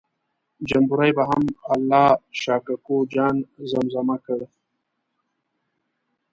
جمبوري به هم الله شا کوکو جان زمزمه کړ.